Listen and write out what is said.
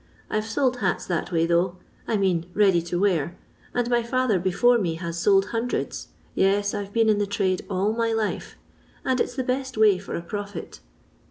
I 've sold hats that way though, I mean ready to wear, and my father before mo has sold hundreds — yes, I 've been in the trade all ray life — and it *s the best way for a profit.